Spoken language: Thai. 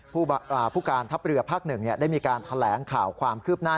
ผู้การทัพเรือภาค๑ได้มีการแถลงข่าวความคืบหน้า